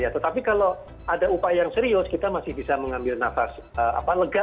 tetapi kalau ada upaya yang serius kita masih bisa mengambil nafas lega